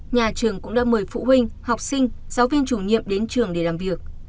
nhà trường cũng đã mời phụ huynh học sinh giáo viên chủ nhiệm đến trường để làm việc